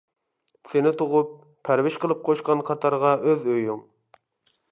سېنى تۇغۇپ، پەرۋىش قىلىپ قوشقان قاتارغا ئۆز ئۆيۈڭ.